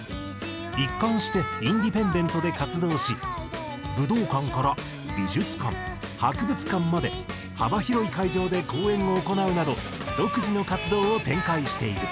一貫してインディペンデントで活動し武道館から美術館博物館まで幅広い会場で公演を行うなど独自の活動を展開している。